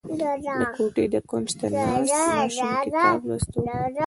• د کوټې د کونج ته ناست ماشوم کتاب لوسته.